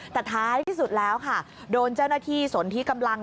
แต่ท้ายที่สุดแล้วค่ะโดนเจ้าหน้าที่สนที่กำลัง